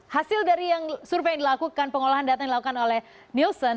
hasil dari survei yang dilakukan pengolahan data yang dilakukan oleh nielsen